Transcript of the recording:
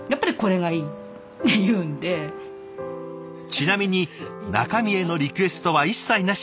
ちなみに中身へのリクエストは一切なし。